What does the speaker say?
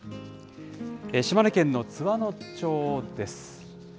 島根県の津和野町です。